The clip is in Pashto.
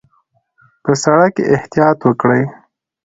په سړک کې احتیاط وکړئ